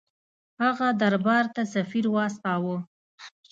هغه دربار ته سفیر واستاوه.